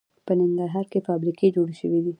په ننګرهار کې فابریکې جوړې شوي